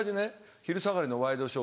昼下がりのワイドショー